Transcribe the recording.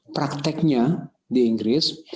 prakteknya di inggris